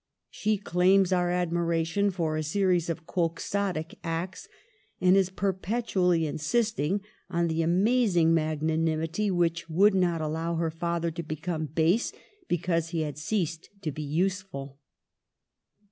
She claims our admiration for a series of quixotic acts, and is perpetually insisting on the amazing magnanimity which would not allow her father to become base be cause he had ceased to be useful.